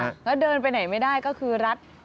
แล้วเดินไปไหนไม่ได้ก็คือรัด